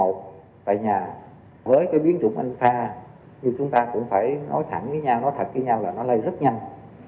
tại nhà với biến trụng anh pha chúng ta cũng phải nói thẳng với nhau là nó lây rất nhanh